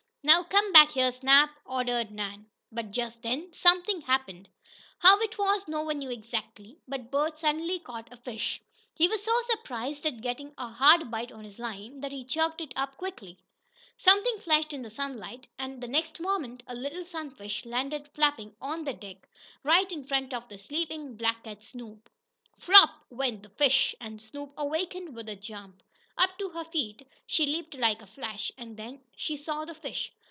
"Now come back here, Snap!" ordered Nan. But just then something happened. How it was no one knew exactly, but Bert suddenly caught a fish. He was so surprised at getting a hard bite on his line, that he jerked it up quickly. Something flashed in the sunlight, and, the next moment, a little sunfish landed flapping on the deck, right in front of the sleeping black cat Snoop. "Flop!" went the fish, and Snoop awakened with a jump. Up to her feet she leaped like a flash, and then she saw the fish.